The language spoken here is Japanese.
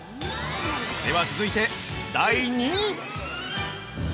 では続いて、第２位！